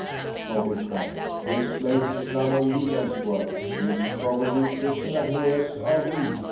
snorted Frank, "this place is none of Leland's work. He is probably a prisoner here, as are we.